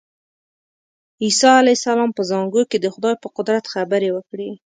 عیسی علیه السلام په زانګو کې د خدای په قدرت خبرې وکړې.